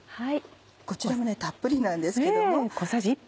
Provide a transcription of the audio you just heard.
こちらもたっぷりなんです。